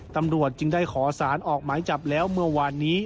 ตำรวจจึงได้ขอสารออกหมายจับแล้วเมื่อวานนี้